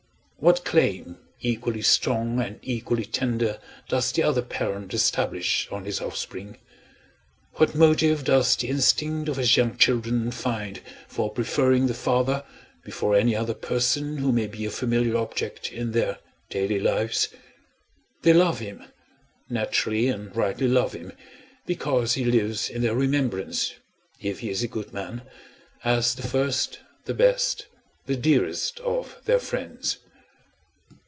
What claim equally strong and equally tender does the other parent establish on his offspring? What motive does the instinct of his young children find for preferring their father before any other person who may be a familiar object in their daily lives? They love him naturally and rightly love him because he lives in their remembrance (if he is a good man) as the first, the best, the dearest of their friends.